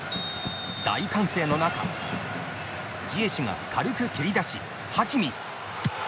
大歓声の中、ジエシュが軽く蹴り出し、ハキミ！